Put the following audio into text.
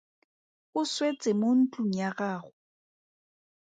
O swetse mo ntlong ya gago.